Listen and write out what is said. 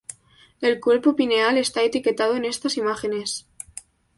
El cuerpo pineal está etiquetado en estas imágenes.